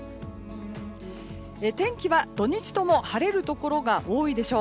天気は土日とも晴れるところが多いでしょう。